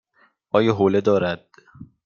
آیا حوله دارد؟